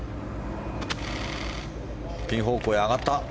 ピン方向へ上がった。